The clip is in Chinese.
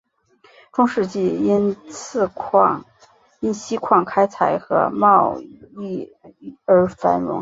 中世纪因锡矿开采和贸易而繁荣。